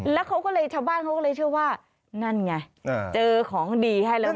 แล้วเขาก็เลยเชื่อว่านั่นไงเจอของดีให้แล้วไหม